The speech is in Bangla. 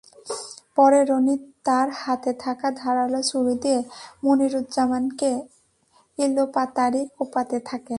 পরে রনি তাঁর হাতে থাকা ধারালো ছুরি দিয়ে মনিরুজ্জামানকে এলোপাতাড়ি কোপাতে থাকেন।